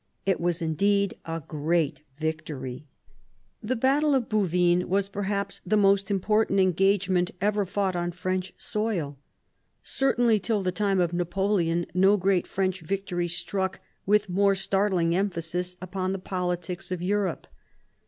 It was indeed a great victory. The battle of Bouvines was perhaps the most import ant engagement ever fought on French soil. Certainly till the time of Napoleon no great French victory struck with more startling emphasis upon the politics of Europe.